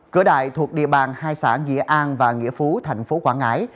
cửa đại thuộc địa bàn hai xã nghĩa an và nghĩa phú tp quảng ngãi